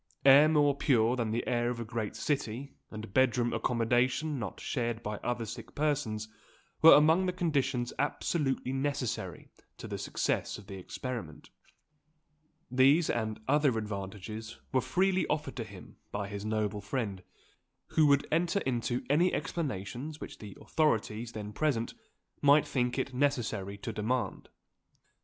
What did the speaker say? Air more pure than the air of a great city, and bed room accommodation not shared by other sick persons, were among the conditions absolutely necessary to the success of the experiment. These, and other advantages, were freely offered to him by his noble friend, who would enter into any explanations which the authorities then present might think it necessary to demand.